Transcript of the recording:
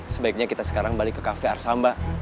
sebaiknya kita sekarang balik ke cafe arsamba